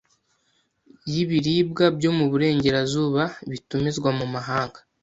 y’ibiribwa byo mu burengerazuba bitumizwa mu mahanga